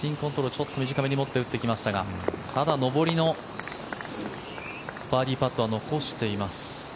ちょっと短めに持って打ってきましたがただ、上りのバーディーパットは残しています。